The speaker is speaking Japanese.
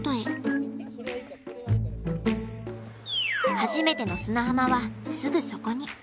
初めての砂浜はすぐそこに。